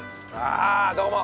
ああどうも。